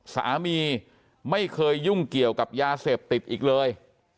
สามีไม่เคยยุ่งเกี่ยวกับยาเสพติดอีกเลย